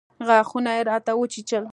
غاښونه يې راته وچيچل.